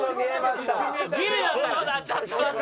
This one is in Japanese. ちょっと待って。